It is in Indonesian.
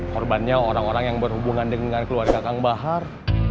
korbannya orang orang yang berhubungan dengan keluarga kang bahar